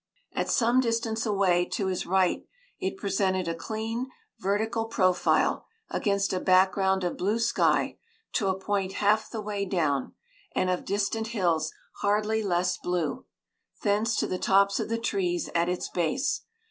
At some distance away to his right it presented a clean, vertical profile against a background of blue sky to a point half the way down, and of distant hills hardly less blue, thence to the tops of the trees at its base.